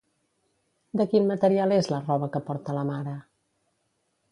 De quin material és la roba que porta la mare?